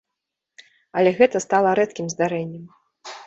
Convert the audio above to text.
Але гэта стала рэдкім здарэннем.